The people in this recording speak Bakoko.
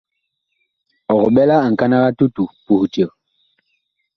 Ɔg ɓɛ la ŋkanag a tutu puh eceg.